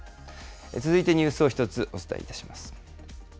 続いてニュースを１つ、お伝えいたします。